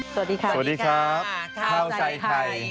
สวัสดีครับคร่าวใจไข่